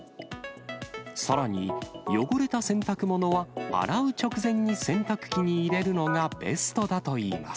さらに、汚れた洗濯物は、洗う直前に洗濯機に入れるのがベストだといいます。